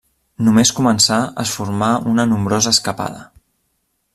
Només començar es formà una nombrosa escapada.